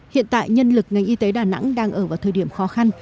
hiện tại nhân lực ngành y tế đà nẵng đang ở vào thời điểm khó khăn